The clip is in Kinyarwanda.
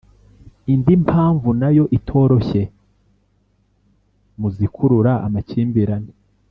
indi mpamvu na yo itoroshye mu zikurura amakimbirane